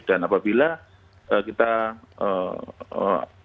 dan apabila kita menghidupkan